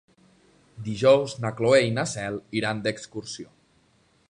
Dijous na Cloè i na Cel iran d'excursió.